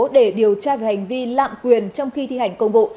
để điều tra về hành vi lạm quyền trong khi thi hành công vụ